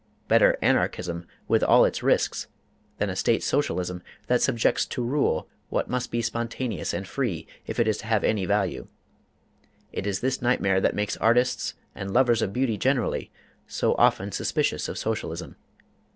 Better Anarchism, with all its risks, than a State Socialism that subjects to rule what must be spontaneous and free if it is to have any value. It is this nightmare that makes artists, and lovers of beauty generally, so often suspicious of Socialism.